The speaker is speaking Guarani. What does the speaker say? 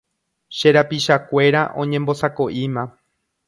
Che rapichakuéra oñembosako'íma